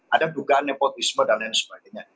ada dugaan nepotisme dan lain sebagainya